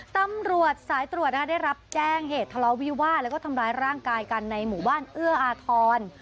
ตำรวจสายตรวจได้รับแจ้งเหตุทะเลาะวิวาดแล้วก็ทำร้ายร่างกายกันในหมู่บ้านเอื้ออาทร